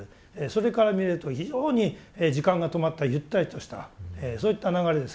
それから見ると非常に時間が止まったゆったりとしたそういった流れです。